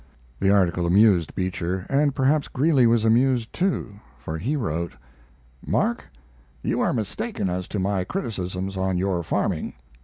The article amused Beecher, and perhaps Greeley was amused too, for he wrote: MARK, You are mistaken as to my criticisms on your farming.